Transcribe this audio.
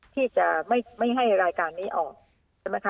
ที่จะไม่ให้รายการนี้ออกใช่ไหมคะ